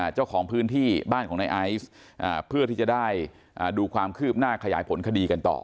เจ้าของพื้นที่บ้านของนายไอซ์เพื่อที่จะได้ดูความคืบหน้าขยายผลคดีกันต่อ